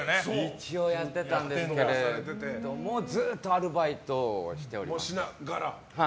一応やってたんですけどもずっとアルバイトをしておりました。